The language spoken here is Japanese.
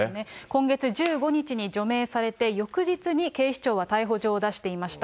今月１５日に除名されて、翌日に警視庁は逮捕状を出していました。